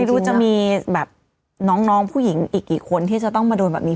ไม่รู้จะมีแบบน้องผู้หญิงอีกกี่คนที่จะต้องมาโดนแบบนี้